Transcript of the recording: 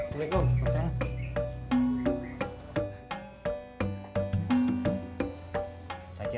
biar recean lu nggak duit